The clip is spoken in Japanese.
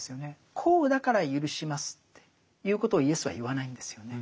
こうだからゆるしますっていうことをイエスは言わないんですよね。